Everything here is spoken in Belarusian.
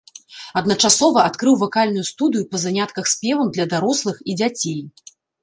Адначасова адкрыў вакальную студыю па занятках спевам для дарослых і дзяцей.